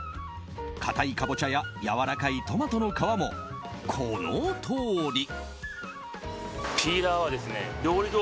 硬いカボチャややわらかいトマトの皮もこのとおり。